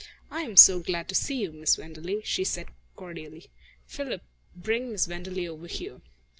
"I am so glad to see you, Miss Wenderley," she said cordially. "Philip, bring Miss Wenderley over here.